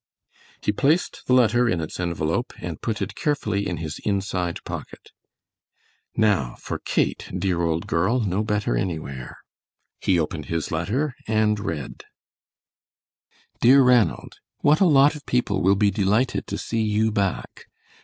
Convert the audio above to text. He placed the letter in its envelope and put it carefully in his inside pocket. "Now for Kate, dear old girl, no better anywhere." He opened his letter and read: DEAR RANALD: What a lot of people will be delighted to see you back!